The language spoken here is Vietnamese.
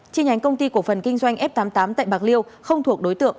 chi nhánh công ty cổ phần kinh doanh f tám mươi tám tại bạc liêu không thuộc đối tượng